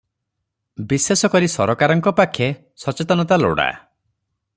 ବିଶେଷ କରି ସରକାରଙ୍କ ପାଖେ ସଚେତନତା ଲୋଡ଼ା ।